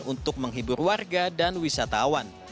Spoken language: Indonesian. untuk menghibur warga dan wisatawan